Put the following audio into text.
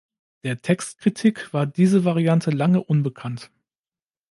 Der Textkritik war diese Variante lange unbekannt.